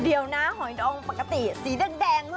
เดี๋ยวนะหอยดองปกติสีแดงด้วย